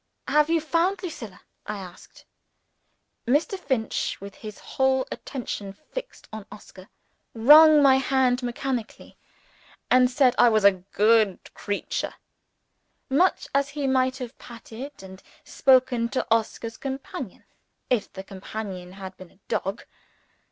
"Have you found Lucilla?" I asked. Mr. Finch with his whole attention fixed on Oscar wrung my hand mechanically, and said I was a "good creature;" much as he might have patted, and spoken to, Oscar's companion, if the companion had been a dog.